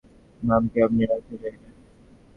ভাইসাহেব, আমার মেয়েটার একটা নাম কি আপনি রাইখা যাইবেন?